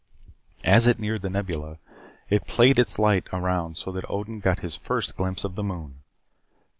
As it neared the Nebula, it played its light around so that Odin got his first glimpse of the moon.